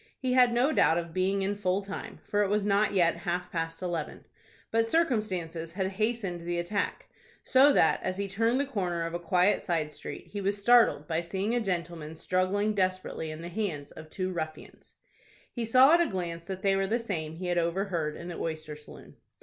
He had no doubt of being in full time, for it was not yet half past eleven. But circumstances had hastened the attack; so that, as he turned the corner of a quiet side street, he was startled by seeing a gentleman struggling desperately in the hands of two ruffians. He saw at a glance that they were the same he had overheard in the oyster saloon.